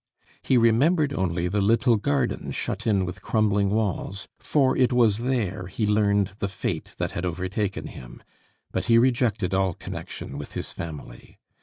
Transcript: He remembered only the little garden shut in with crumbling walls, for it was there he learned the fate that had overtaken him; but he rejected all connection with his family.